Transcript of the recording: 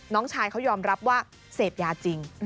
น้องชายเขายอมรับว่าเสพยาจริง